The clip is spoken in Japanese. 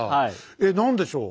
え何でしょう？